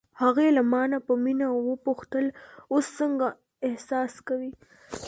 هغې له مانه په مینه وپوښتل: اوس څنګه احساس کوې؟